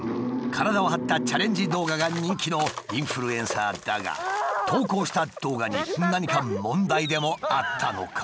体を張ったチャレンジ動画が人気のインフルエンサーだが投稿した動画に何か問題でもあったのか？